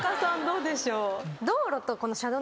どうでしょう？